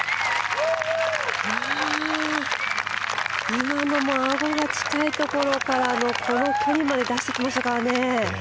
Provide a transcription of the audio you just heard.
今のもあごが近いところからのこの距離まで出してきましたからね。